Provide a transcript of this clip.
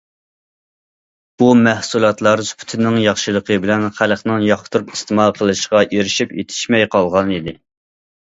بۇ مەھسۇلاتلار سۈپىتىنىڭ ياخشىلىقى بىلەن خەلقنىڭ ياقتۇرۇپ ئىستېمال قىلىشىغا ئېرىشىپ، يېتىشمەي قالغانىدى.